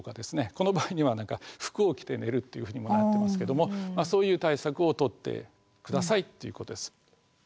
この場合には服を着て寝るというふうになってますけどもそういう対策を取ってくださいということです。